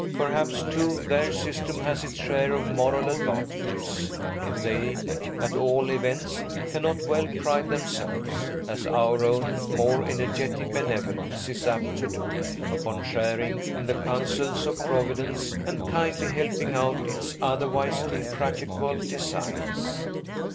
Perhaps, too, their system has its share of moral advantages; they, at all events, cannot well pride themselves, as our own more energetic benevolence is apt to do, upon sharing in the counsels of Providence and kindly helping out its otherwise impracticable designs.